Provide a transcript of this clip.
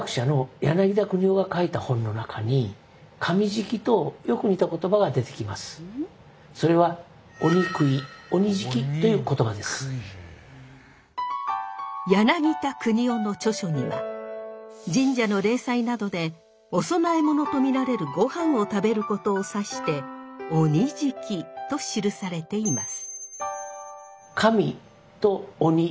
柳田國男の著書には神社の例祭などでお供え物と見られるごはんを食べることを指して鬼喰と記されています。